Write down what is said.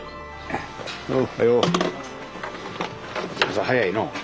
朝早いの。